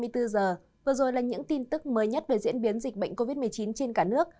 vừa rồi là những tin tức mới nhất về diễn biến dịch bệnh covid một mươi chín trên cả nước